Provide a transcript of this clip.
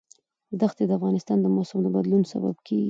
دښتې د افغانستان د موسم د بدلون سبب کېږي.